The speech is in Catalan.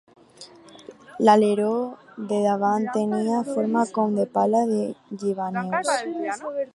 L’aleró de davant tenia forma com de pala de llevaneus.